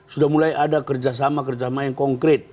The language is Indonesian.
sudah mulai ada kerjasama kerjasama yang konkret